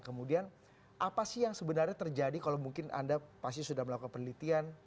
kemudian apa sih yang sebenarnya terjadi kalau mungkin anda pasti sudah melakukan penelitian